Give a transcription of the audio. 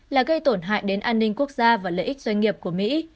là gây tổn hại đến an ninh quốc gia và lợi ích doanh nghiệp của mỹ